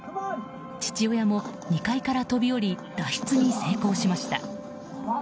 父親も２階から飛び降り脱出に成功しました。